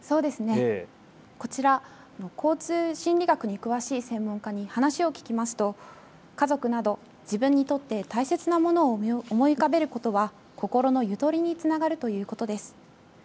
そうですね、こちら、交通心理学に詳しい専門家に話を聞きますと家族など自分にとって大切なものを思い浮かべることは心のゆとりにつながるということです。